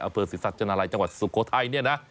อาเฟิร์ทศิษฐรรณาลัยจังหวัดสุโขไทย